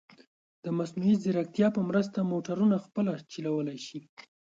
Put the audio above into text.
د مصنوعي ځیرکتیا په مرسته، موټرونه په خپله چلولی شي.